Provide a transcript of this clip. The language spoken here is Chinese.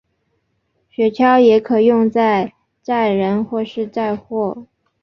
雪橇也可用在载人或是载货。